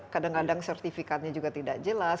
kadang kadang sertifikatnya juga tidak jelas